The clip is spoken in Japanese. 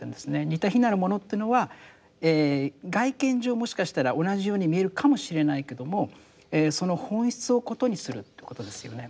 似て非なるものっていうのは外見上もしかしたら同じように見えるかもしれないけどもその本質を異にするってことですよね。